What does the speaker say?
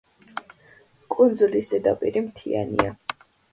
კუნძულის ზედაპირი მთიანია.